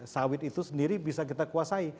sawit itu sendiri bisa kita kuasai